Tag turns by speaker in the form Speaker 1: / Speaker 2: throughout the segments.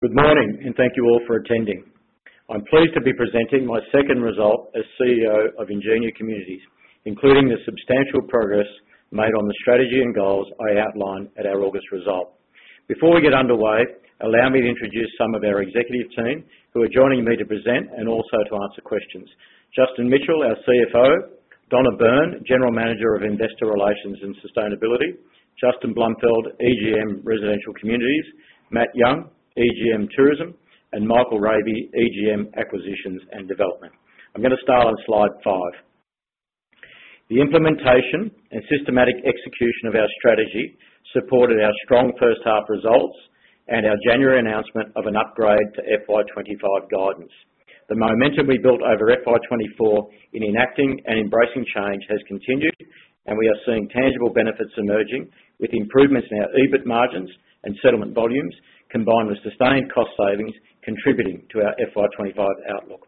Speaker 1: Good morning, and thank you all for attending. I'm pleased to be presenting my second result as CEO of Ingenia Communities, including the substantial progress made on the strategy and goals I outlined at our August result. Before we get underway, allow me to introduce some of our executive team who are joining me to present and also to answer questions: Justin Mitchell, our CFO, Donna Byrne, General Manager of Investor Relations and Sustainability, Justin Blumfield, EGM Residential Communities, Matt Young, EGM Tourism, and Michael Rabey, EGM Acquisitions and Development. I'm going to start on slide five. The implementation and systematic execution of our strategy supported our strong first half results and our January announcement of an upgrade to FY25 guidance. The momentum we built over FY24 in enacting and embracing change has continued, and we are seeing tangible benefits emerging, with improvements in our EBIT margins and settlement volumes combined with sustained cost savings contributing to our FY25 outlook.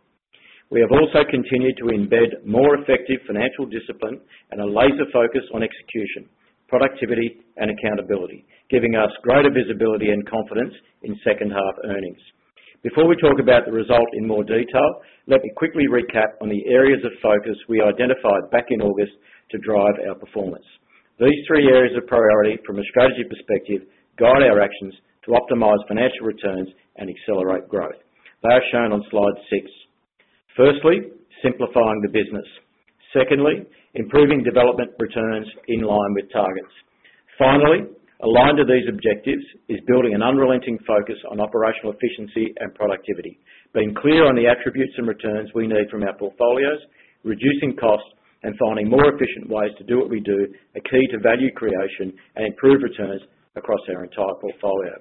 Speaker 1: We have also continued to embed more effective financial discipline and a laser focus on execution, productivity, and accountability, giving us greater visibility and confidence in second half earnings. Before we talk about the result in more detail, let me quickly recap on the areas of focus we identified back in August to drive our performance. These three areas of priority from a strategy perspective guide our actions to optimize financial returns and accelerate growth. They are shown on Slide 6. Firstly, simplifying the business. Secondly, improving development returns in line with targets. Finally, aligned to these objectives is building an unrelenting focus on operational efficiency and productivity. Being clear on the attributes and returns we need from our portfolios, reducing costs, and finding more efficient ways to do what we do are key to value creation and improved returns across our entire portfolio.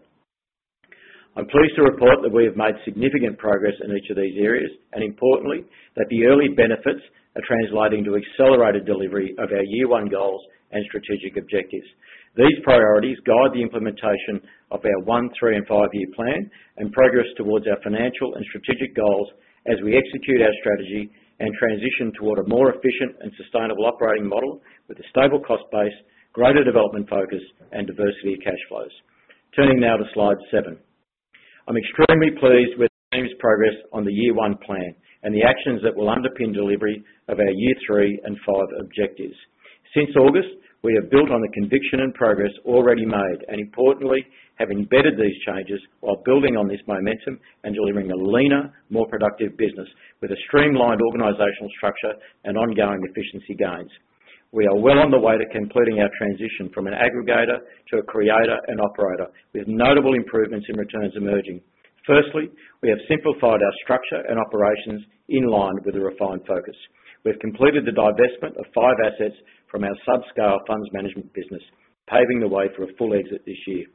Speaker 1: I'm pleased to report that we have made significant progress in each of these areas, and importantly, that the early benefits are translating to accelerated delivery of our year one goals and strategic objectives. These priorities guide the implementation of our one, three, and five-year plan and progress towards our financial and strategic goals as we execute our strategy and transition toward a more efficient and sustainable operating model with a stable cost base, greater development focus, and diversity of cash flows. Turning now to Slide 7, I'm extremely pleased with the team's progress on the year one plan and the actions that will underpin delivery of our year three and five objectives. Since August, we have built on the conviction and progress already made and, importantly, have embedded these changes while building on this momentum and delivering a leaner, more productive business with a streamlined organizational structure and ongoing efficiency gains. We are well on the way to completing our transition from an aggregator to a creator and operator, with notable improvements in returns emerging. Firstly, we have simplified our structure and operations in line with a refined focus. We've completed the divestment of five assets from our subscale funds management business, paving the way for a full exit this year.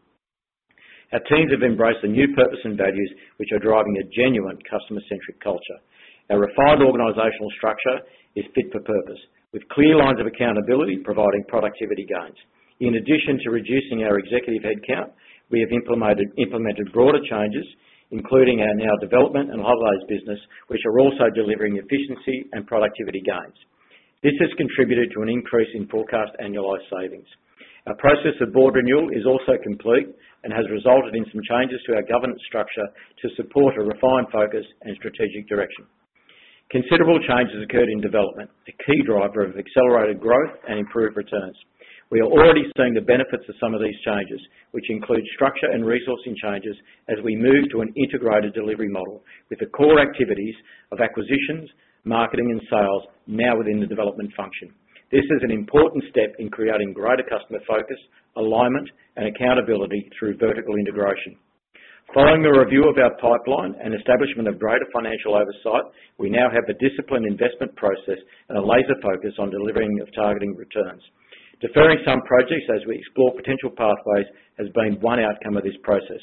Speaker 1: Our teams have embraced a new purpose and values which are driving a genuine customer-centric culture. Our refined organizational structure is fit for purpose, with clear lines of accountability providing productivity gains. In addition to reducing our executive headcount, we have implemented broader changes, including in our development and holidays business, which are also delivering efficiency and productivity gains. This has contributed to an increase in forecast annualized savings. Our process of board renewal is also complete and has resulted in some changes to our governance structure to support a refined focus and strategic direction. Considerable changes occurred in development, a key driver of accelerated growth and improved returns. We are already seeing the benefits of some of these changes, which include structure and resourcing changes as we move to an integrated delivery model with the core activities of acquisitions, marketing, and sales now within the development function. This is an important step in creating greater customer focus, alignment, and accountability through vertical integration. Following the review of our pipeline and establishment of greater financial oversight, we now have a disciplined investment process and a laser focus on delivery of targeted returns. Deferring some projects as we explore potential pathways has been one outcome of this process.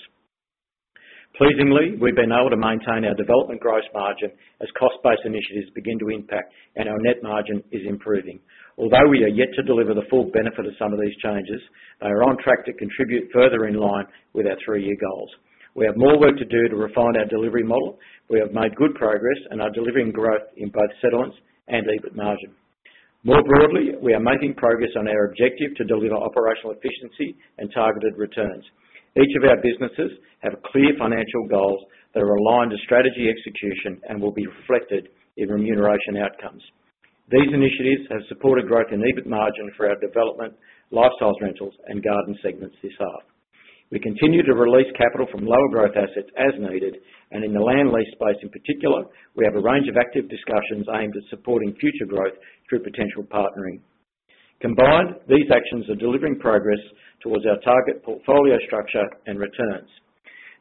Speaker 1: Pleasingly, we've been able to maintain our development gross margin as cost-based initiatives begin to impact, and our net margin is improving. Although we are yet to deliver the full benefit of some of these changes, they are on track to contribute further in line with our three-year goals. We have more work to do to refine our delivery model. We have made good progress in delivering growth in both settlements and EBIT margin. More broadly, we are making progress on our objective to deliver operational efficiency and targeted returns. Each of our businesses has clear financial goals that are aligned to strategy execution and will be reflected in remuneration outcomes. These initiatives have supported growth in EBIT margin for our development, lifestyle rentals, and garden segments this half. We continue to release capital from lower growth assets as needed, and in the land lease space in particular, we have a range of active discussions aimed at supporting future growth through potential partnering. Combined, these actions are delivering progress towards our target portfolio structure and returns.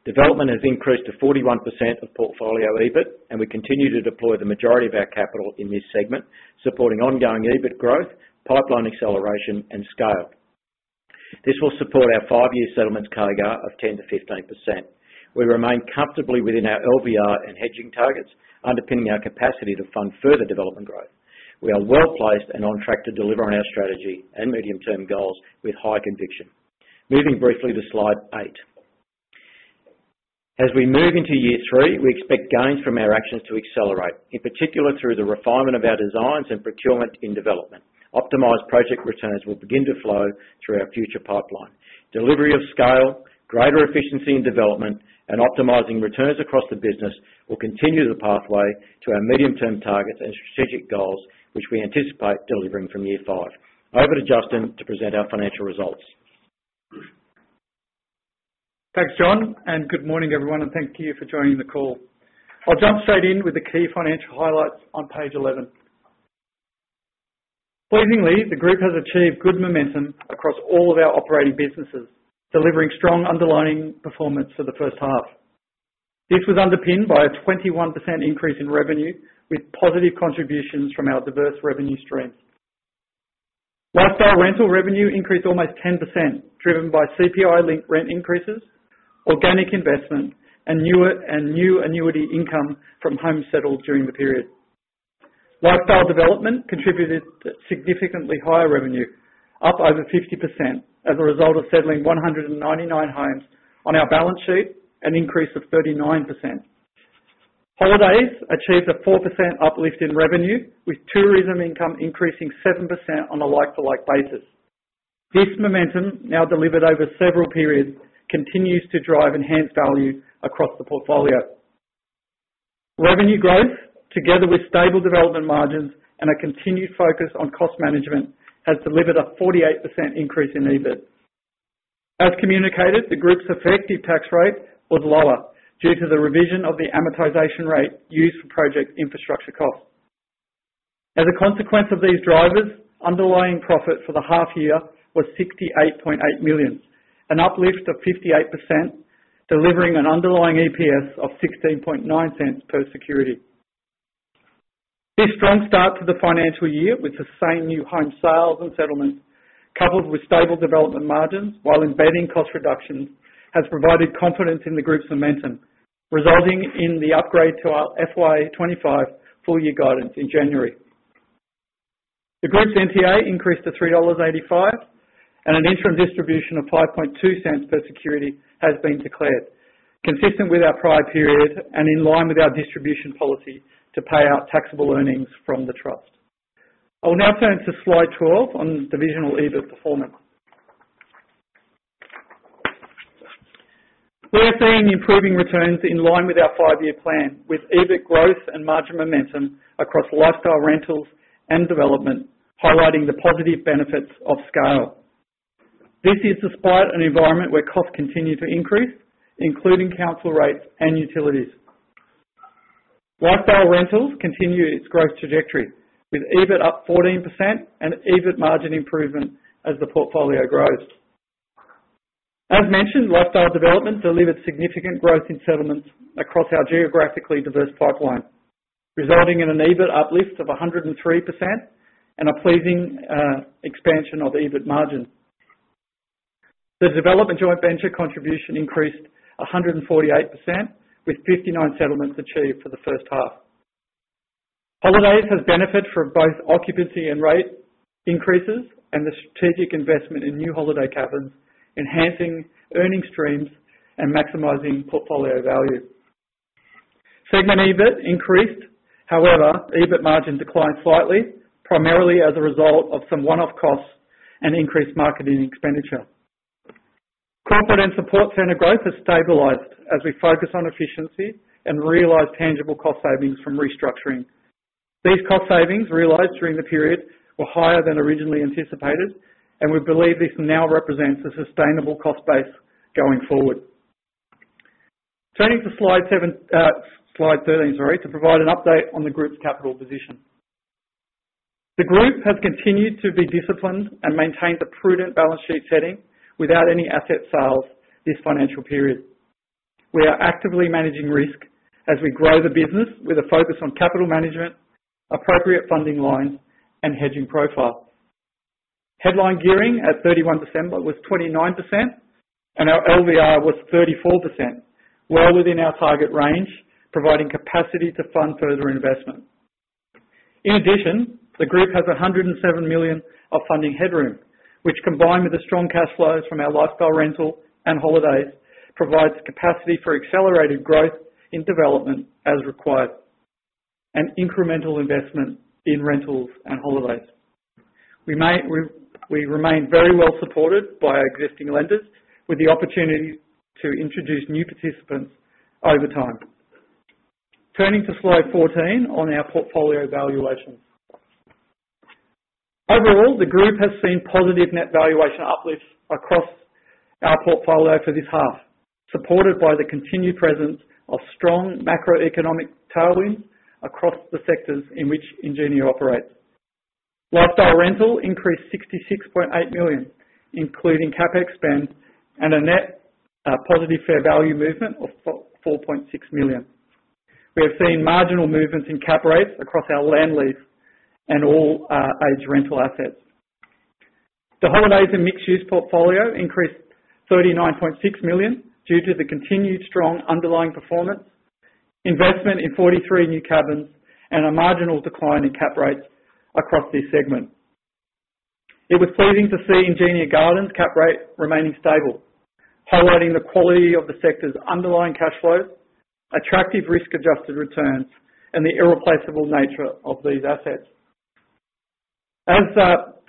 Speaker 1: Development has increased to 41% of portfolio EBIT, and we continue to deploy the majority of our capital in this segment, supporting ongoing EBIT growth, pipeline acceleration, and scale. This will support our five-year settlements CAGR of 10%-15%. We remain comfortably within our LVR and hedging targets, underpinning our capacity to fund further development growth. We are well placed and on track to deliver on our strategy and medium-term goals with high conviction. Moving briefly to slide eight. As we move into year three, we expect gains from our actions to accelerate, in particular through the refinement of our designs and procurement in development. Optimized project returns will begin to flow through our future pipeline. Delivery of scale, greater efficiency in development, and optimizing returns across the business will continue the pathway to our medium-term targets and strategic goals, which we anticipate delivering from year five. Over to Justin to present our financial results.
Speaker 2: Thanks, John, and good morning, everyone, and thank you for joining the call. I'll jump straight in with the key financial highlights on Page 11. Pleasingly, the group has achieved good momentum across all of our operating businesses, delivering strong underlying performance for the first half. This was underpinned by a 21% increase in revenue, with positive contributions from our diverse revenue streams. Lifestyle rental revenue increased almost 10%, driven by CPI-linked rent increases, organic investment, and new annuity income from homes settled during the period. Lifestyle Development contributed to significantly higher revenue, up over 50% as a result of settling 199 homes on our balance sheet, an increase of 39%. Holidays achieved a 4% uplift in revenue, with tourism income increasing 7% on a like-for-like basis. This momentum, now delivered over several periods, continues to drive enhanced value across the portfolio. Revenue growth, together with stable development margins and a continued focus on cost management, has delivered a 48% increase in EBIT. As communicated, the group's effective tax rate was lower due to the revision of the amortization rate used for project infrastructure costs. As a consequence of these drivers, underlying profit for the half year was 68.8 million, an uplift of 58%, delivering an underlying EPS of 0.169 per security. This strong start to the financial year, with sustained new home sales and settlements, coupled with stable development margins while embedding cost reductions, has provided confidence in the group's momentum, resulting in the upgrade to our FY25 Full-Year guidance in January. The group's NTA increased to 3.85 dollars, and an interim distribution of 0.052 per security has been declared, consistent with our prior period and in line with our distribution policy to pay out taxable earnings from the trust. I will now turn to Slide 12 on divisional EBIT performance. We are seeing improving returns in line with our five-year plan, with EBIT growth and margin momentum across Lifestyle Rentals and development, highlighting the positive benefits of scale. This is despite an environment where costs continue to increase, including council rates and utilities. Lifestyle Rentals continue its growth trajectory, with EBIT up 14% and EBIT margin improvement as the portfolio grows. As mentioned, Lifestyle Development delivered significant growth in settlements across our geographically diverse pipeline, resulting in an EBIT uplift of 103% and a pleasing expansion of EBIT margin. The development joint venture contribution increased 148%, with 59 settlements achieved for the first half. Holidays has benefited from both occupancy and rate increases and the strategic investment in new holiday cabins, enhancing earning streams and maximizing portfolio value. Segment EBIT increased. However, EBIT margin declined slightly, primarily as a result of some one-off costs and increased marketing expenditure. Confidence and support center growth has stabilized as we focus on efficiency and realize tangible cost savings from restructuring. These cost savings realized during the period were higher than originally anticipated, and we believe this now represents a sustainable cost base going forward. Turning to Slide 13, sorry, to provide an update on the group's capital position. The group has continued to be disciplined and maintained a prudent balance sheet setting without any asset sales this financial period. We are actively managing risk as we grow the business with a focus on capital management, appropriate funding lines, and hedging profile. Headline gearing at 31 December was 29%, and our LVR was 34%, well within our target range, providing capacity to fund further investment. In addition, the group has 107 million of funding headroom, which, combined with the strong cash flows from our lifestyle rental and holidays, provides capacity for accelerated growth in development as required and incremental investment in rentals and holidays. We remain very well supported by our existing lenders, with the opportunity to introduce new participants over time. Turning to Slide 14 on our portfolio valuations. Overall, the group has seen positive net valuation uplifts across our portfolio for this half, supported by the continued presence of strong macroeconomic tailwinds across the sectors in which Ingenia operates. Lifestyle rental increased 66.8 million, including Capex spend, and a net positive fair value movement of 4.6 million. We have seen marginal movements in Cap Rates across our land lease and all age rental assets. The holidays and mixed-use portfolio increased 39.6 million due to the continued strong underlying performance, investment in 43 new cabins, and a marginal decline in cap rates across this segment. It was pleasing to see Ingenia Gardens' cap rate remaining stable, highlighting the quality of the sector's underlying cash flows, attractive risk-adjusted returns, and the irreplaceable nature of these assets. As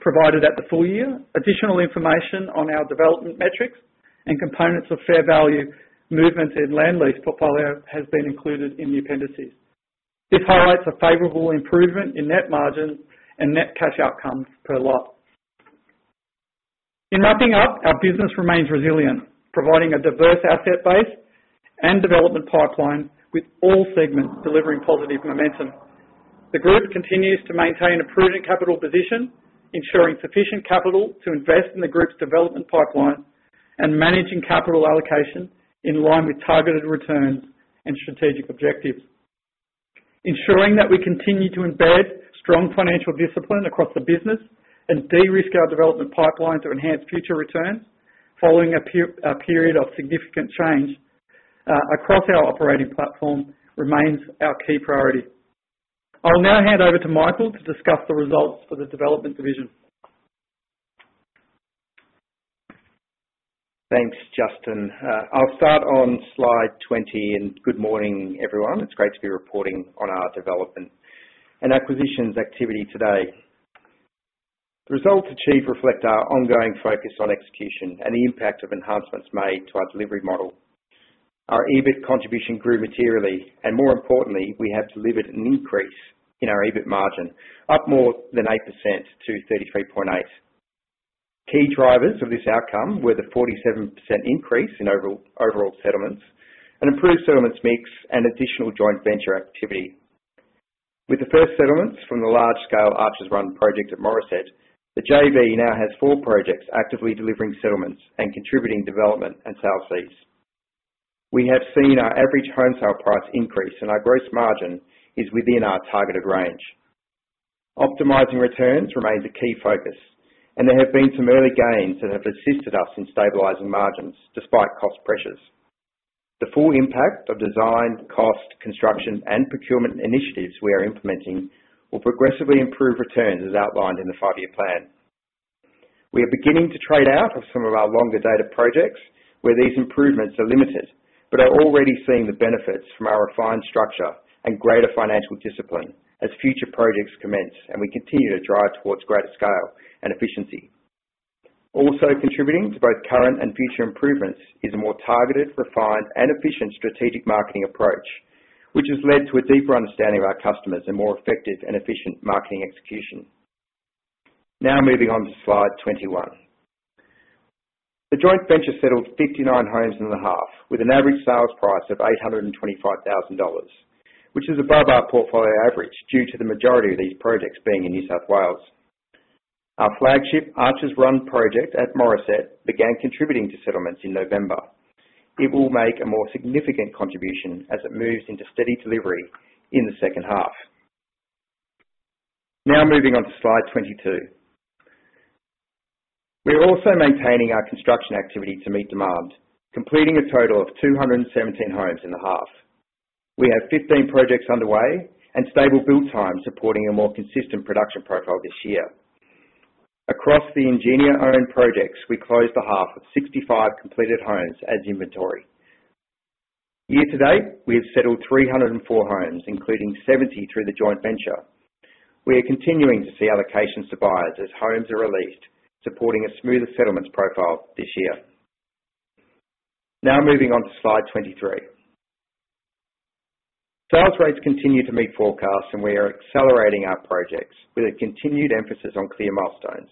Speaker 2: provided at the full year, additional information on our development metrics and components of fair value movements in land lease portfolio has been included in the appendices. This highlights a favorable improvement in net margins and net cash outcomes per lot. In wrapping up, our business remains resilient, providing a diverse asset base and development pipeline with all segments delivering positive momentum. The group continues to maintain a prudent capital position, ensuring sufficient capital to invest in the group's development pipeline and managing capital allocation in line with targeted returns and strategic objectives. Ensuring that we continue to embed strong financial discipline across the business and de-risk our development pipeline to enhance future returns following a period of significant change across our operating platform remains our key priority. I will now hand over to Michael to discuss the results for the development division.
Speaker 3: Thanks, Justin. I'll start on Slide 20, and good morning, everyone. It's great to be reporting on our development and acquisitions activity today. The results achieved reflect our ongoing focus on execution and the impact of enhancements made to our delivery model. Our EBIT contribution grew materially, and more importantly, we have delivered an increase in our EBIT margin, up more than 8% to 33.8%. Key drivers of this outcome were the 47% increase in overall settlements, an improved settlements mix, and additional joint venture activity. With the first settlements from the large-scale Archers Run project at Morisset, the JV now has four projects actively delivering settlements and contributing development and sales fees. We have seen our average home sale price increase, and our gross margin is within our targeted range. Optimizing returns remains a key focus, and there have been some early gains that have assisted us in stabilizing margins despite cost pressures. The full impact of design, cost, construction, and procurement initiatives we are implementing will progressively improve returns as outlined in the five-year plan. We are beginning to trade out of some of our longer dated projects where these improvements are limited but are already seeing the benefits from our refined structure and greater financial discipline as future projects commence, and we continue to drive towards greater scale and efficiency. Also contributing to both current and future improvements is a more targeted, refined, and efficient strategic marketing approach, which has led to a deeper understanding of our customers and more effective and efficient marketing execution. Now moving on to Slide 21. The joint venture settled 59 homes in the half with an average sales price of 825,000 dollars, which is above our portfolio average due to the majority of these projects being in New South Wales. Our flagship Archers Run project at Morisset began contributing to settlements in November. It will make a more significant contribution as it moves into steady delivery in the second half. Now moving on to slide 22. We are also maintaining our construction activity to meet demand, completing a total of 217 homes in the half. We have 15 projects underway and stable build time supporting a more consistent production profile this year. Across the Ingenia-owned projects, we closed the half of 65 completed homes as inventory. Year to date, we have settled 304 homes, including 70 through the joint venture. We are continuing to see allocations to buyers as homes are released, supporting a smoother settlements profile this year. Now moving on to Slide 23. Sales rates continue to meet forecasts, and we are accelerating our projects with a continued emphasis on clear milestones.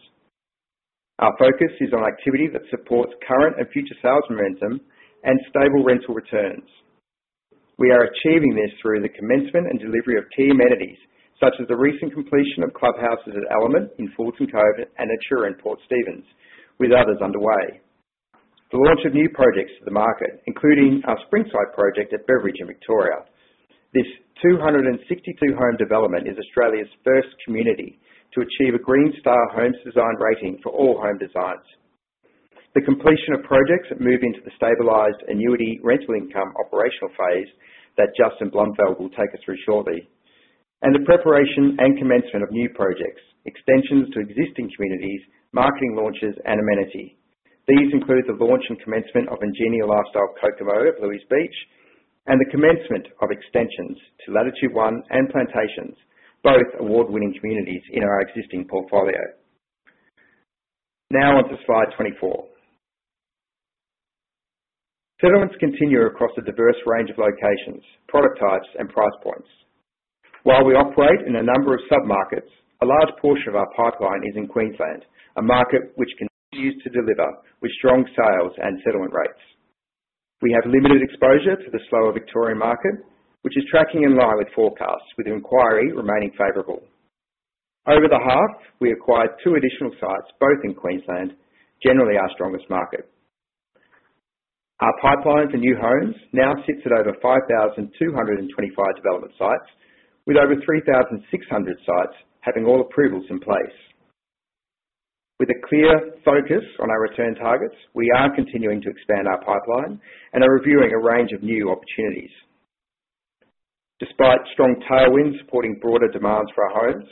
Speaker 3: Our focus is on activity that supports current and future sales momentum and stable rental returns. We are achieving this through the commencement and delivery of key amenities such as the recent completion of clubhouses at Element in Fullerton Cove and Natura in Port Stephens, with others underway. The launch of new projects to the market, including our Springside project at Beveridge in Victoria. This 262-home development is Australia's first community to achieve a Green Star Homes Design rating for all home designs. The completion of projects that move into the stabilized annuity rental income operational phase that Justin Blumfield will take us through shortly, and the preparation and commencement of new projects, extensions to existing communities, marketing launches, and amenity. These include the launch and commencement of Ingenia Lifestyle Kokomo at Hervey Bay and the commencement of extensions to Latitude One and Plantations, both award-winning communities in our existing portfolio. Now on to slide 24. Settlements continue across a diverse range of locations, product types, and price points. While we operate in a number of sub-markets, a large portion of our pipeline is in Queensland, a market which continues to deliver with strong sales and settlement rates. We have limited exposure to the slower Victorian market, which is tracking in line with forecasts, with the inquiry remaining favorable. Over the half, we acquired two additional sites, both in Queensland, generally our strongest market. Our pipeline for new homes now sits at over 5,225 development sites, with over 3,600 sites having all approvals in place. With a clear focus on our return targets, we are continuing to expand our pipeline and are reviewing a range of new opportunities. Despite strong tailwinds supporting broader demands for our homes,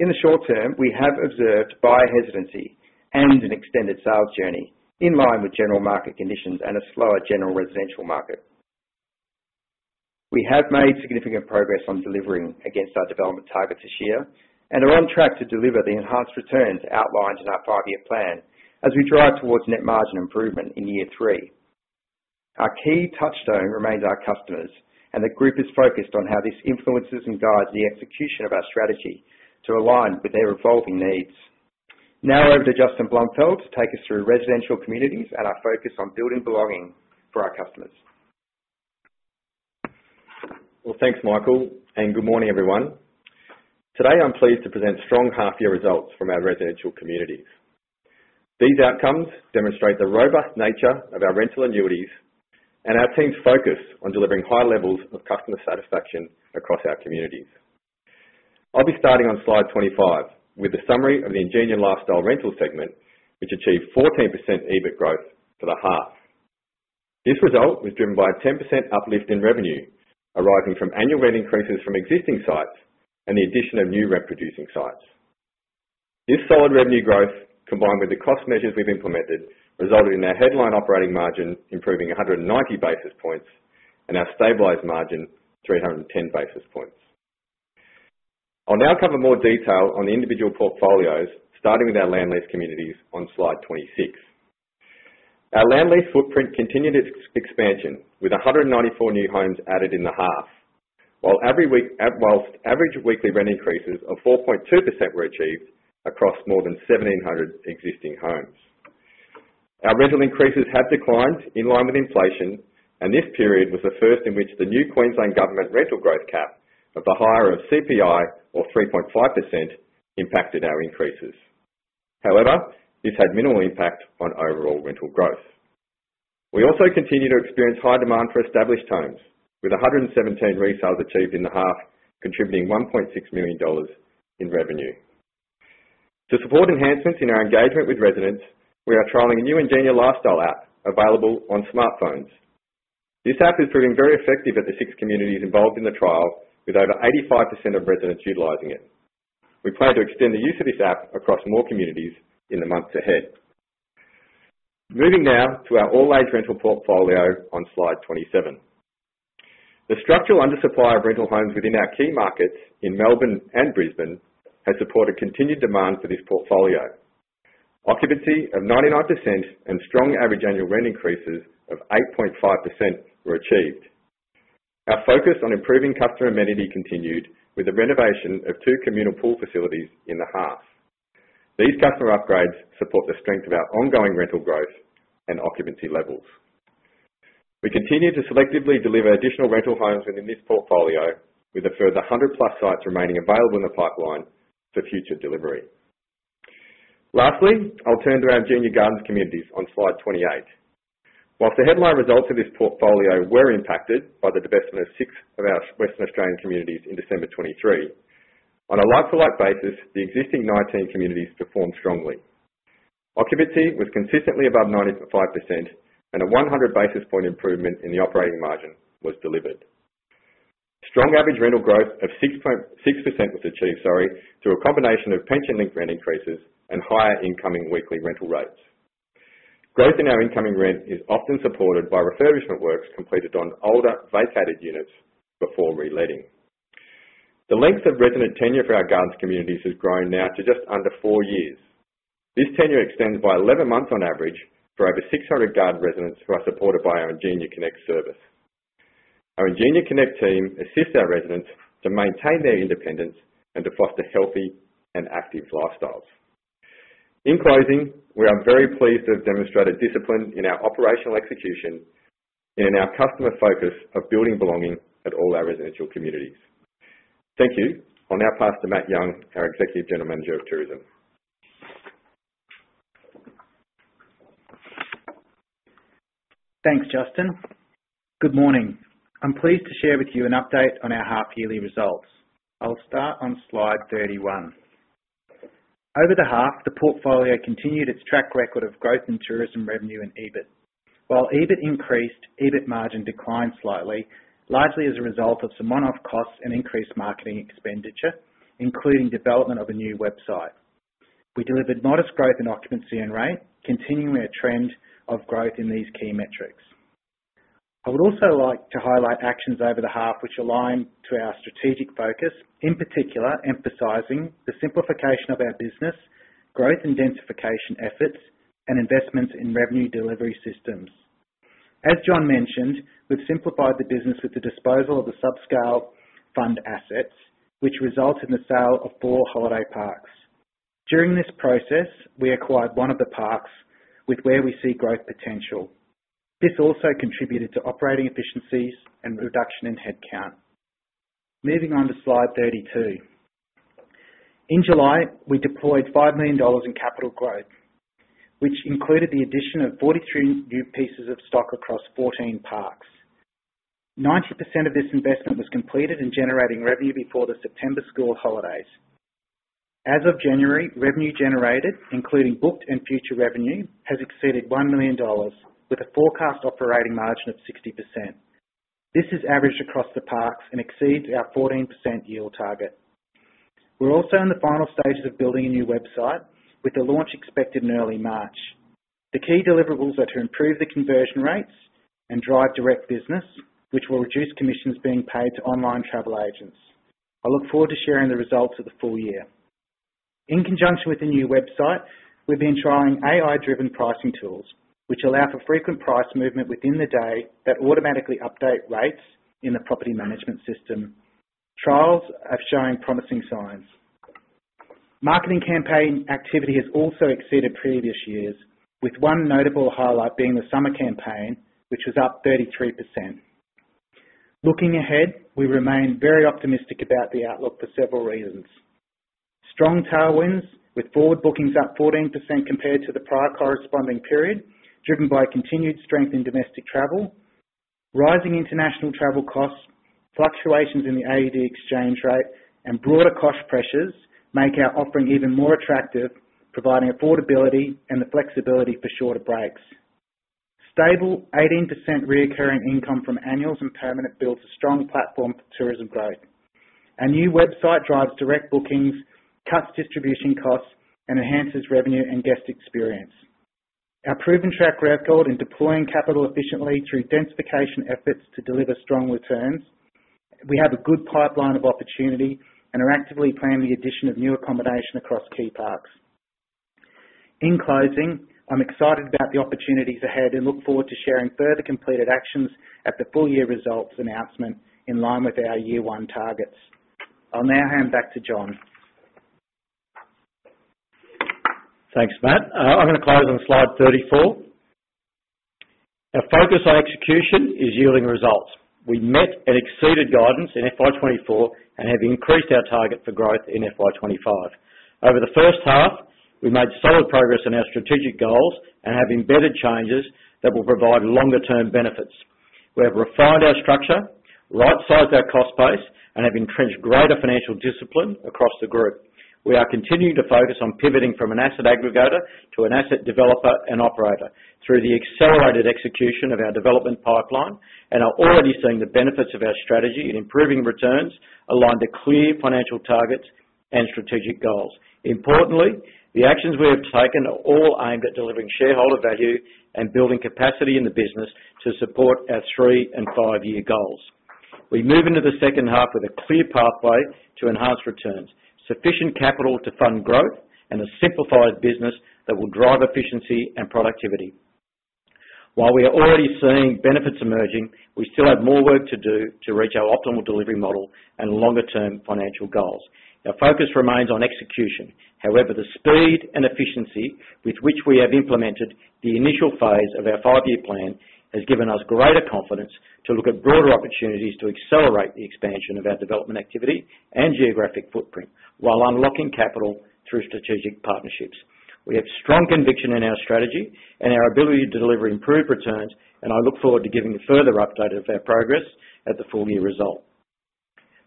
Speaker 3: in the short term, we have observed buyer hesitancy and an extended sales journey in line with general market conditions and a slower general residential market. We have made significant progress on delivering against our development targets this year and are on track to deliver the enhanced returns outlined in our five-year plan as we drive towards net margin improvement in year three. Our key touchstone remains our customers, and the group is focused on how this influences and guides the execution of our strategy to align with their evolving needs. Now over to Justin Blumfield to take us through residential communities and our focus on building belonging for our customers.
Speaker 4: Thanks, Michael, and good morning, everyone. Today, I'm pleased to present strong half-year results from our residential communities. These outcomes demonstrate the robust nature of our rental annuities and our team's focus on delivering high levels of customer satisfaction across our communities. I'll be starting on Slide 25 with the summary of the Ingenia Lifestyle rental segment, which achieved 14% EBIT growth for the half. This result was driven by a 10% uplift in revenue arising from annual rent increases from existing sites and the addition of new rent-producing sites. This solid revenue growth, combined with the cost measures we've implemented, resulted in our headline operating margin improving 190 basis points and our stabilized margin 310 basis points. I'll now cover more detail on the individual portfolios, starting with our land lease communities on Slide 26. Our land lease footprint continued its expansion with 194 new homes added in the half, while average weekly rent increases of 4.2% were achieved across more than 1,700 existing homes. Our rental increases have declined in line with inflation, and this period was the first in which the new Queensland government rental growth cap, at the higher of CPI or 3.5%, impacted our increases. However, this had minimal impact on overall rental growth. We also continue to experience high demand for established homes, with 117 resales achieved in the half, contributing 1.6 million dollars in revenue. To support enhancements in our engagement with residents, we are trialing a new Ingenia Lifestyle app available on smartphones. This app is proving very effective at the six communities involved in the trial, with over 85% of residents utilizing it. We plan to extend the use of this app across more communities in the months ahead. Moving now to our all-age rental portfolio on Slide 27. The structural undersupply of rental homes within our key markets in Melbourne and Brisbane has supported continued demand for this portfolio. Occupancy of 99% and strong average annual rent increases of 8.5% were achieved. Our focus on improving customer amenity continued with the renovation of two communal pool facilities in the half. These customer upgrades support the strength of our ongoing rental growth and occupancy levels. We continue to selectively deliver additional rental homes within this portfolio, with a further 100-plus sites remaining available in the pipeline for future delivery. Lastly, I'll turn to our Ingenia Gardens communities on Slide 28. While the headline results of this portfolio were impacted by the divestment of six of our Western Australian communities in December 2023, on a like-for-like basis, the existing 19 communities performed strongly. Occupancy was consistently above 95%, and a 100 basis point improvement in the operating margin was delivered. Strong average rental growth of 6% was achieved, sorry, through a combination of pension-linked rent increases and higher incoming weekly rental rates. Growth in our incoming rent is often supported by refurbishment works completed on older vacated units before reletting. The length of resident tenure for our gardens communities has grown now to just under four years. This tenure extends by 11 months on average for over 600 garden residents who are supported by our Ingenia Connect service. Our Ingenia Connect team assists our residents to maintain their independence and to foster healthy and active lifestyles. In closing, we are very pleased to have demonstrated discipline in our operational execution and in our customer focus of building belonging at all our residential communities. Thank you. Now over to Matt Young, our Executive General Manager of Tourism.
Speaker 5: Thanks, Justin. Good morning. I'm pleased to share with you an update on our half-yearly results. I'll start on slide 31. Over the half, the portfolio continued its track record of growth in tourism revenue and EBIT. While EBIT increased, EBIT margin declined slightly, largely as a result of some one-off costs and increased marketing expenditure, including development of a new website. We delivered modest growth in occupancy and rate, continuing a trend of growth in these key metrics. I would also like to highlight actions over the half which align to our strategic focus, in particular emphasizing the simplification of our business, growth and densification efforts, and investments in revenue delivery systems. As John mentioned, we've simplified the business with the disposal of the subscale fund assets, which resulted in the sale of four holiday parks. During this process, we acquired one of the parks where we see growth potential. This also contributed to operating efficiencies and reduction in headcount. Moving on to Slide 32. In July, we deployed 5 million dollars in capital growth, which included the addition of 43 new pieces of stock across 14 parks. 90% of this investment was completed in generating revenue before the September school holidays. As of January, revenue generated, including booked and future revenue, has exceeded 1 million dollars, with a forecast operating margin of 60%. This is averaged across the parks and exceeds our 14% yield target. We're also in the final stages of building a new website, with the launch expected in early March. The key deliverables are to improve the conversion rates and drive direct business, which will reduce commissions being paid to online travel agents. I look forward to sharing the results of the full year. In conjunction with the new website, we've been trying AI-driven pricing tools, which allow for frequent price movement within the day that automatically update rates in the property management system. Trials have shown promising signs. Marketing campaign activity has also exceeded previous years, with one notable highlight being the summer campaign, which was up 33%. Looking ahead, we remain very optimistic about the outlook for several reasons. Strong tailwinds with forward bookings up 14% compared to the prior corresponding period, driven by continued strength in domestic travel. Rising international travel costs, fluctuations in the AUD exchange rate, and broader cost pressures make our offering even more attractive, providing affordability and the flexibility for shorter breaks. Stable 18% recurring income from annuals and permanent bills is a strong platform for tourism growth. Our new website drives direct bookings, cuts distribution costs, and enhances revenue and guest experience. Our proven track record in deploying capital efficiently through densification efforts to deliver strong returns. We have a good pipeline of opportunity and are actively planning the addition of new accommodation across key parks. In closing, I'm excited about the opportunities ahead and look forward to sharing further completed actions at the full-year results announcement in line with our year-one targets. I'll now hand back to John.
Speaker 1: Thanks, Matt. I'm going to close on Slide 34. Our focus on execution is yielding results. We met and exceeded guidance in FY24 and have increased our target for growth in FY25. Over the first half, we made solid progress on our strategic goals and have embedded changes that will provide longer-term benefits. We have refined our structure, right-sized our cost base, and have entrenched greater financial discipline across the group. We are continuing to focus on pivoting from an asset aggregator to an asset developer and operator through the accelerated execution of our development pipeline and are already seeing the benefits of our strategy in improving returns aligned to clear financial targets and strategic goals. Importantly, the actions we have taken are all aimed at delivering shareholder value and building capacity in the business to support our three and five-year goals. We move into the second half with a clear pathway to enhanced returns, sufficient capital to fund growth, and a simplified business that will drive efficiency and productivity. While we are already seeing benefits emerging, we still have more work to do to reach our optimal delivery model and longer-term financial goals. Our focus remains on execution. However, the speed and efficiency with which we have implemented the initial phase of our five-year plan has given us greater confidence to look at broader opportunities to accelerate the expansion of our development activity and geographic footprint while unlocking capital through strategic partnerships. We have strong conviction in our strategy and our ability to deliver improved returns, and I look forward to giving a further update of our progress at the full-year result.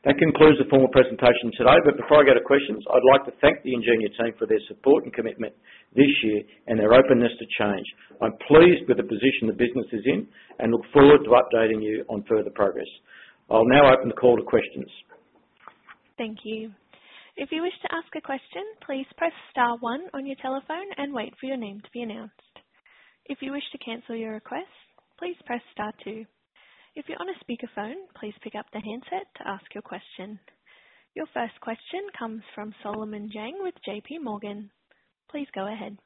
Speaker 1: That concludes the formal presentation today, but before I go to questions, I'd like to thank the Ingenia team for their support and commitment this year and their openness to change. I'm pleased with the position the business is in and look forward to updating you on further progress. I'll now open the call to questions.
Speaker 6: Thank you. If you wish to ask a question, please press star one on your telephone and wait for your name to be announced. If you wish to cancel your request, please press star two. If you're on a speakerphone, please pick up the handset to ask your question. Your first question comes from Solomon Jiang with JPMorgan. Please go ahead.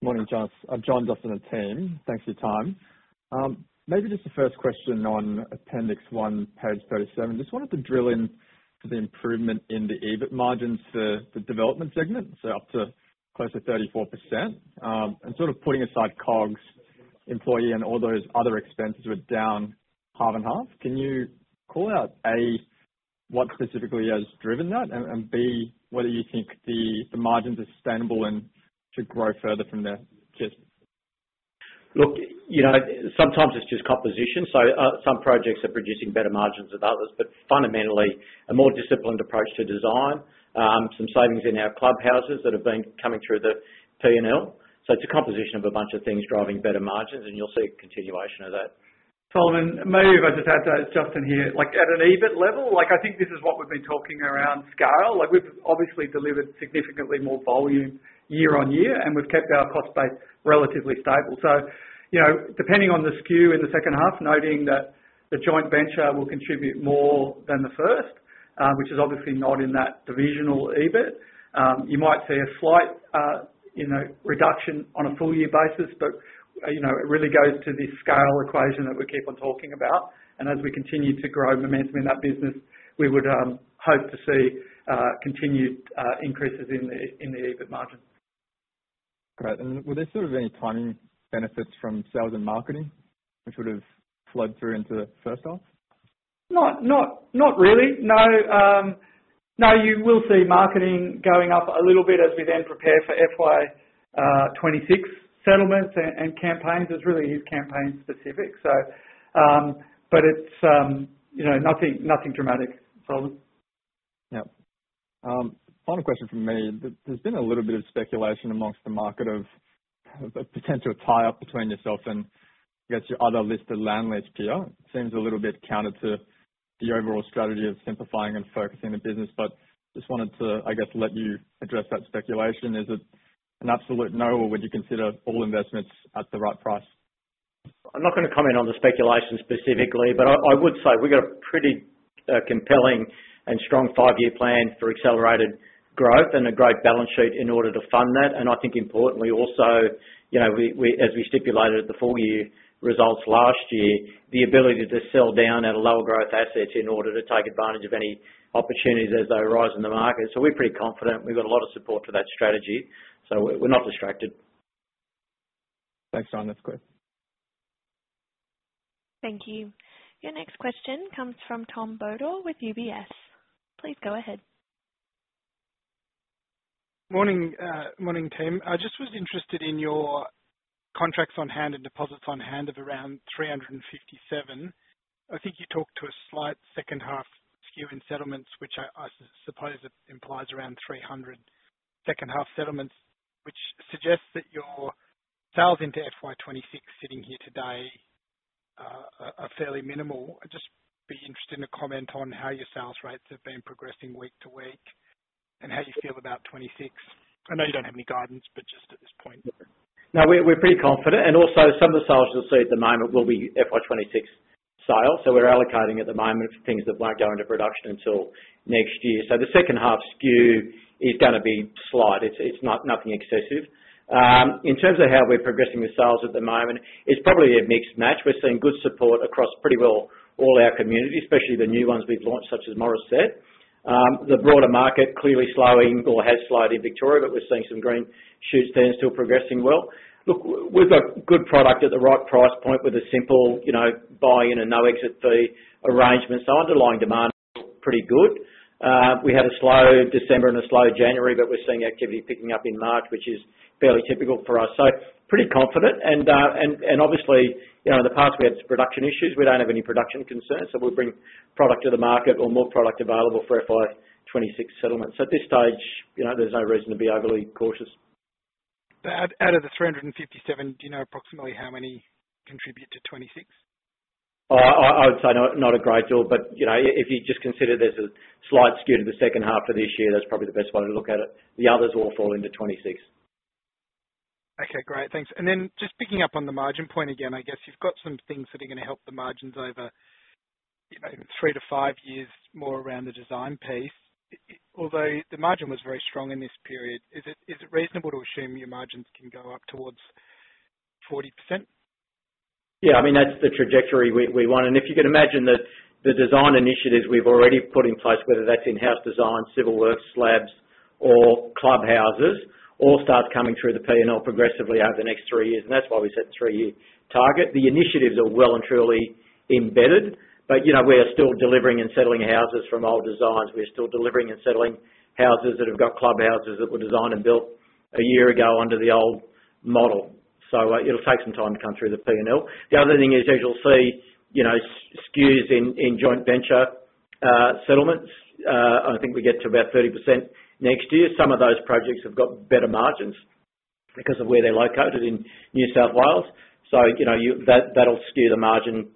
Speaker 7: Morning, John. Hi John, Justin and team. Thanks for your time. Maybe just the first question on Appendix 1, page 37. Just wanted to drill into the improvement in the EBIT margins for the development segment, so up to close to 34%. And sort of putting aside COGS, employee, and all those other expenses were down half and half. Can you call out A, what specifically has driven that, and B, whether you think the margins are sustainable and to grow further from there?
Speaker 1: Look, sometimes it's just composition. So some projects are producing better margins than others, but fundamentally, a more disciplined approach to design, some savings in our clubhouses that have been coming through the P&L. So it's a composition of a bunch of things driving better margins, and you'll see a continuation of that.
Speaker 2: Solomon, maybe if I just add to that. It's Justin here. At an EBIT level, I think this is what we've been talking around scale. We've obviously delivered significantly more volume year on year, and we've kept our cost base relatively stable. So depending on the skew in the second half, noting that the joint venture will contribute more than the first, which is obviously not in that divisional EBIT, you might see a slight reduction on a full-year basis, but it really goes to this scale equation that we keep on talking about. And as we continue to grow momentum in that business, we would hope to see continued increases in the EBIT margin.
Speaker 8: Great. And were there sort of any timing benefits from sales and marketing which would have flowed through into the first half?
Speaker 2: Not really. No. No, you will see marketing going up a little bit as we then prepare for FY26 settlements and campaigns. It's really campaign-specific, but it's nothing dramatic, Solomon.
Speaker 8: Yeah. Final question from me. There's been a little bit of speculation amongst the market of a potential tie-up between yourself and, I guess, your other listed landlords peers. It seems a little bit counter to the overall strategy of simplifying and focusing the business, but just wanted to, I guess, let you address that speculation. Is it an absolute no, or would you consider all investments at the right price?
Speaker 1: I'm not going to comment on the speculation specifically, but I would say we've got a pretty compelling and strong five-year plan for accelerated growth and a great balance sheet in order to fund that, and I think, importantly, also, as we stipulated at the full-year results last year, the ability to sell down at a lower growth asset in order to take advantage of any opportunities as they arise in the market, so we're pretty confident. We've got a lot of support for that strategy, so we're not distracted.
Speaker 8: Thanks, John. That's good.
Speaker 6: Thank you. Your next question comes from Tom Bodor with UBS. Please go ahead.
Speaker 9: Morning, team. I just was interested in your contracts on hand and deposits on hand of around 357. I think you talked to a slight second-half skew in settlements, which I suppose implies around 300 second-half settlements, which suggests that your sales into FY26 sitting here today are fairly minimal. I'd just be interested in a comment on how your sales rates have been progressing week to week and how you feel about 2026. I know you don't have any guidance, but just at this point.
Speaker 1: No, we're pretty confident, and also, some of the sales you'll see at the moment will be FY26 sales, so we're allocating at the moment things that won't go into production until next year, so the second-half skew is going to be slight. It's nothing excessive. In terms of how we're progressing with sales at the moment, it's probably a mixed match. We're seeing good support across pretty well all our communities, especially the new ones we've launched, such as Morisset. The broader market clearly slowing or has slowed in Victoria, but we're seeing some green shoots there and still progressing well. Look, we've got good product at the right price point with a simple buy-in and no-exit fee arrangement, so underlying demand is pretty good. We had a slow December and a slow January, but we're seeing activity picking up in March, which is fairly typical for us. So, pretty confident. And obviously, in the past, we had production issues. We don't have any production concerns, so we'll bring product to the market or more product available for FY26 settlement. So at this stage, there's no reason to be overly cautious.
Speaker 9: Out of the 357, do you know approximately how many contribute to 2026?
Speaker 1: I would say not a great deal, but if you just consider there's a slight skew to the second half for this year, that's probably the best way to look at it. The others all fall into 2026.
Speaker 9: Okay. Great. Thanks. And then just picking up on the margin point again, I guess you've got some things that are going to help the margins over three to five years more around the design piece. Although the margin was very strong in this period, is it reasonable to assume your margins can go up towards 40%?
Speaker 1: Yeah. I mean, that's the trajectory we want. And if you can imagine that the design initiatives we've already put in place, whether that's in-house design, civil works, slabs, or clubhouses, all start coming through the P&L progressively over the next three years. And that's why we set a three-year target. The initiatives are well and truly embedded, but we are still delivering and settling houses from old designs. We are still delivering and settling houses that have got clubhouses that were designed and built a year ago under the old model. So it'll take some time to come through the P&L. The other thing is, as you'll see, skews in joint venture settlements. I think we get to about 30% next year. Some of those projects have got better margins because of where they're located in New South Wales. So that'll skew the margin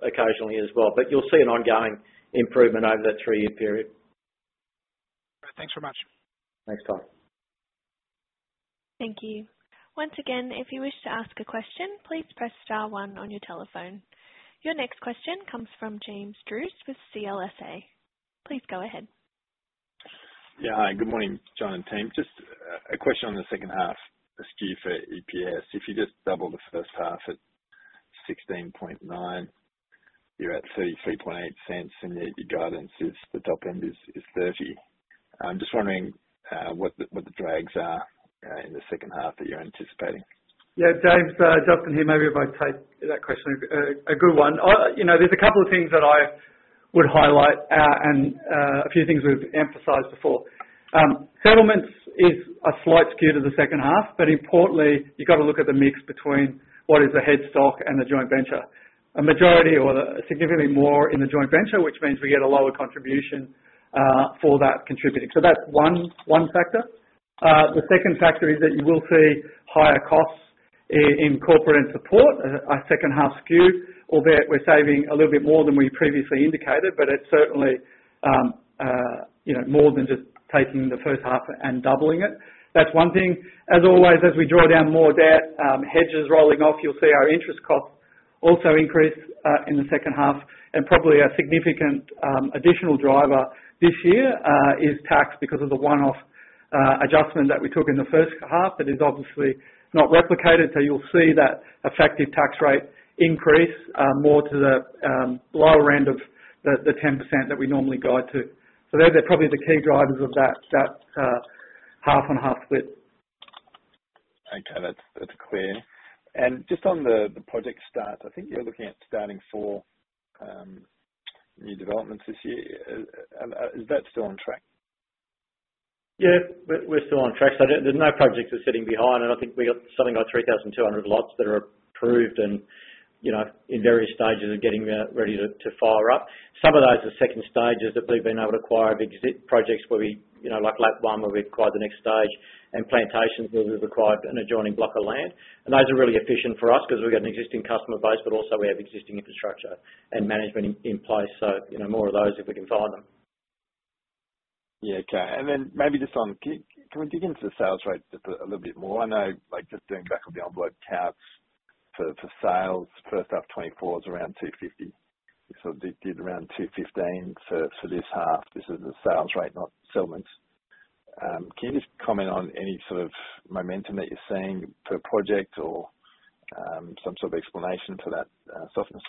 Speaker 1: occasionally as well. But you'll see an ongoing improvement over that three-year period.
Speaker 9: Great. Thanks very much.
Speaker 1: Thanks, Tom.
Speaker 6: Thank you. Once again, if you wish to ask a question, please press star one on your telephone. Your next question comes from James Druce with CLSA. Please go ahead.
Speaker 10: Yeah. Hi. Good morning, John and team. Just a question on the second-half skew for EPS. If you just double the first half at 0.169, you're at 0.338, and yet your guidance is the top end is 0.30. I'm just wondering what the drags are in the second half that you're anticipating.
Speaker 2: Yeah. It's Justin here, maybe if I take that question. A good one. There's a couple of things that I would highlight and a few things we've emphasized before. Settlements is a slight skew to the second half, but importantly, you've got to look at the mix between what is the head-leased stock and the joint venture. A majority or significantly more in the joint venture, which means we get a lower contribution from that contribution. So that's one factor. The second factor is that you will see higher costs in corporate and support, a second-half skew, albeit we're saving a little bit more than we previously indicated, but it's certainly more than just taking the first half and doubling it. That's one thing. As always, as we draw down more debt, hedges rolling off, you'll see our interest costs also increase in the second half. And probably a significant additional driver this year is tax because of the one-off adjustment that we took in the first half that is obviously not replicated. So you'll see that effective tax rate increase more to the lower end of the 10% that we normally guide to. So they're probably the key drivers of that half and half split.
Speaker 10: Okay. That's clear, and just on the project starts, I think you're looking at starting four new developments this year. Is that still on track?
Speaker 1: Yeah. We're still on track. So no projects are sitting behind. And I think we've got something like 3,200 lots that are approved and in various stages of getting ready to fire up. Some of those are second stages that we've been able to acquire of existing projects where we like Lara, where we've acquired the next stage, and Plantations where we've acquired an adjoining block of land. And those are really efficient for us because we've got an existing customer base, but also we have existing infrastructure and management in place. So more of those if we can find them.
Speaker 10: Yeah. Okay. And then maybe just on can we dig into the sales rates a little bit more? I know just going back on the onboard counts for sales, first half 2024 was around 250. You sort of did around 215 for this half. This is the sales rate, not settlements. Can you just comment on any sort of momentum that you're seeing per project or some sort of explanation for that softness?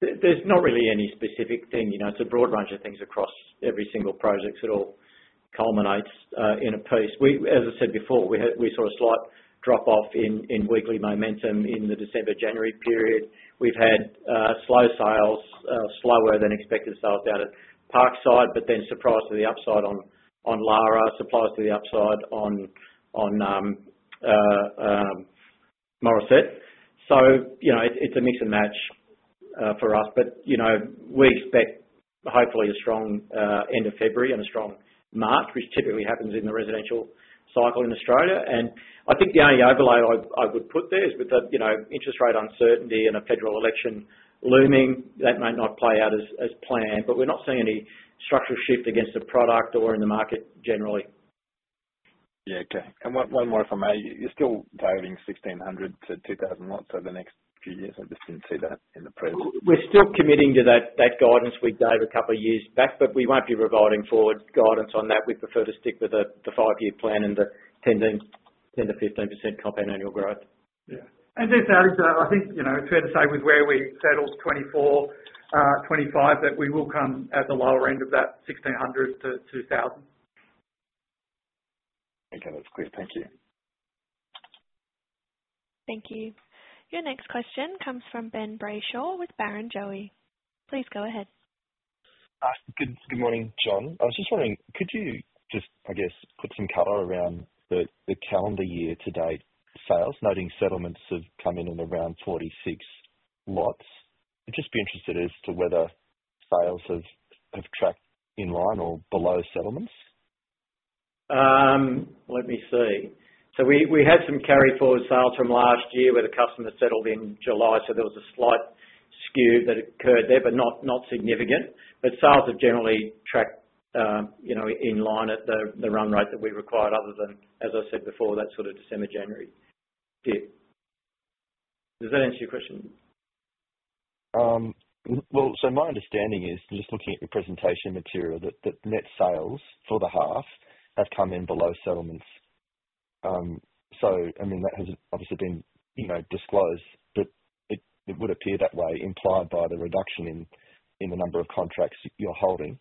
Speaker 1: There's not really any specific thing. It's a broad range of things across every single project that all culminates in a piece. As I said before, we saw a slight drop-off in weekly momentum in the December, January period. We've had slow sales, slower than expected sales down at Parkside, but then surprised to the upside on Lara, surprised to the upside on Morisset. It's a mix and match for us, but we expect hopefully a strong end of February and a strong March, which typically happens in the residential cycle in Australia. I think the only overlay I would put there is with the interest rate uncertainty and a federal election looming, that might not play out as planned, but we're not seeing any structural shift against the product or in the market generally.
Speaker 10: Yeah. Okay. And one more from me. You're still targeting 1,600-2,000 lots over the next few years. I just didn't see that in the press.
Speaker 1: We're still committing to that guidance we gave a couple of years back, but we won't be revolving forward guidance on that. We prefer to stick with the five-year plan and the 10%-15% compound annual growth.
Speaker 2: Yeah. And just adding to that, I think it's fair to say with where we settled 2024, 2025, that we will come at the lower end of that 1,600-2,000.
Speaker 10: Okay. That's good. Thank you.
Speaker 6: Thank you. Your next question comes from Ben Brayshaw with Barrenjoey. Please go ahead.
Speaker 11: Good morning, John. I was just wondering, could you just, I guess, put some color around the calendar year-to-date sales, noting settlements have come in at around 46 lots? I'd just be interested as to whether sales have tracked in line or below settlements.
Speaker 1: Let me see. So we had some carry-forward sales from last year where the customer settled in July, so there was a slight skew that occurred there, but not significant. But sales have generally tracked in line at the run rate that we required other than, as I said before, that sort of December, January bit. Does that answer your question?
Speaker 11: Well, so my understanding is, just looking at your presentation material, that net sales for the half have come in below settlements. So, I mean, that has obviously been disclosed, but it would appear that way implied by the reduction in the number of contracts you're holding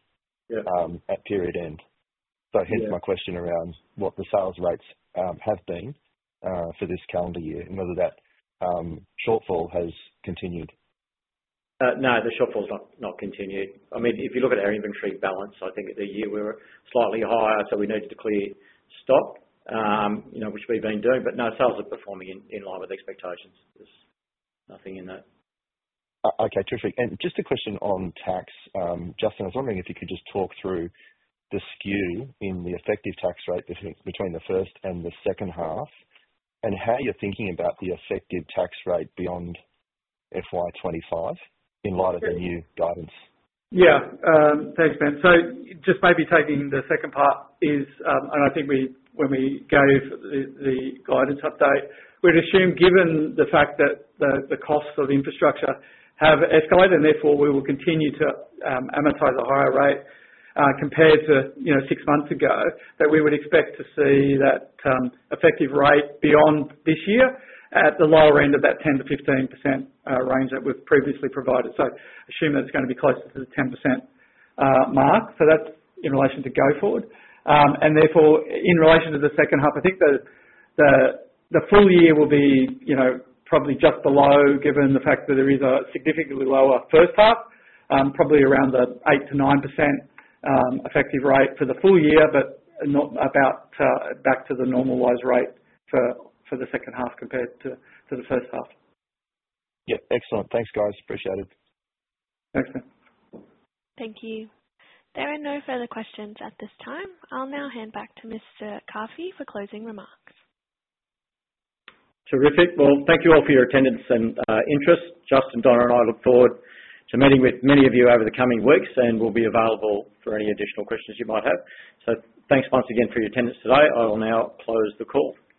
Speaker 11: at period end. So hence my question around what the sales rates have been for this calendar year and whether that shortfall has continued.
Speaker 1: No, the shortfall has not continued. I mean, if you look at our inventory balance, I think the year we were slightly higher, so we needed to clear stock, which we've been doing, but no sales are performing in line with expectations. There's nothing in that.
Speaker 11: Okay. Terrific. And just a question on tax. Justin, I was wondering if you could just talk through the skew in the effective tax rate between the first and the second half and how you're thinking about the effective tax rate beyond FY25 in light of the new guidance?
Speaker 2: Yeah. Thanks, Ben. So just maybe taking the second part is, and I think when we gave the guidance update, we'd assumed given the fact that the costs of infrastructure have escalated and therefore we will continue to amortize a higher rate compared to six months ago, that we would expect to see that effective rate beyond this year at the lower end of that 10%-15% range that we've previously provided. So assume that it's going to be closer to the 10% mark. So that's in relation to go forward. Therefore, in relation to the second half, I think the full year will be probably just below given the fact that there is a significantly lower first half, probably around the 8%-9% effective rate for the full year, but not back to the normalized rate for the second half compared to the first half.
Speaker 11: Yeah. Excellent. Thanks, guys. Appreciate it.
Speaker 2: Thanks, Ben.
Speaker 6: Thank you. There are no further questions at this time. I'll now hand back to Mr. Carfi for closing remarks.
Speaker 1: Terrific. Well, thank you all for your attendance and interest. Justin, Donna, and I look forward to meeting with many of you over the coming weeks and will be available for any additional questions you might have. So thanks once again for your attendance today. I will now close the call.